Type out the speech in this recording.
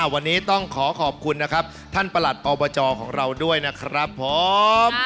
วันนี้ต้องขอขอบคุณนะครับท่านประหลัดอบจของเราด้วยนะครับผม